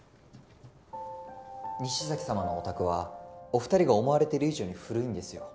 西崎様のお宅はお２人が思われてる以上に古いんですよ。